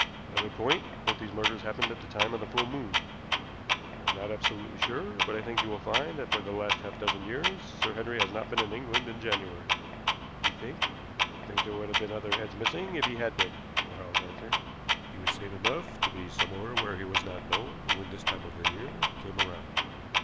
Another point, both these murders happened at the time of the full moon. I am not absolutely sure, but I think you will find that for the last half dozen years Sir Henry has not been in England in January." "You think " "I think there would have been other heads missing if he had been," Quarles answered. "He was sane enough to be somewhere where he was not known when this time of the year came round.